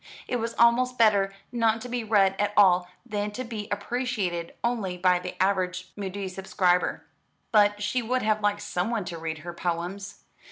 It was almost better not to be read at all than to be appreciated only by the average Mudie subscriber. But she would have liked someone to read her poems.